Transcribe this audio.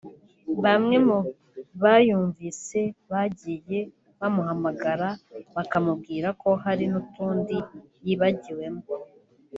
bamwe mu bayumvise bagiye bamuhamagara bakamubwira ko hari n’utundi yibagiwemo